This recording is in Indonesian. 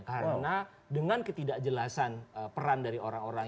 karena dengan ketidakjelasan peran dari orang orang